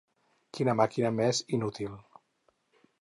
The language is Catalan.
Quina màquina més inútil.